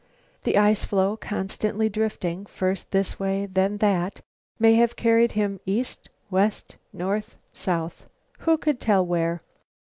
The ice floe constantly drifting, first this way, then that, may have carried him east, west, north, south. Who could tell where?